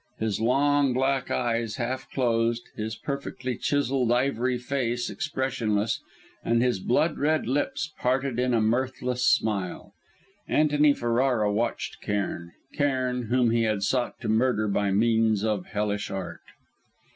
His long black eyes half closed, his perfectly chiselled ivory face expressionless, and his blood red lips parted in a mirthless smile, Antony Ferrara watched Cairn Cairn whom he had sought to murder by means of hellish art.